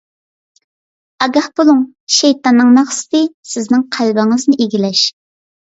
ئاگاھ بولۇڭ! شەيتاننىڭ مەقسىتى — سىزنىڭ قەلبىڭىزنى ئىگىلەش.